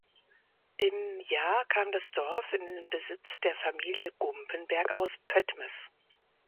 Im Jahr kam das Dorf in den Besitz der Familie Gumppenberg aus Pöttmes.